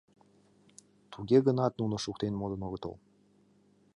Туге гынат нуно шуктен модын огытыл.